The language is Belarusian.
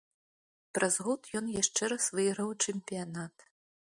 Праз год ён яшчэ раз выйграў чэмпіянат.